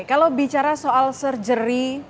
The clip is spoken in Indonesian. kalau bicara soal surgery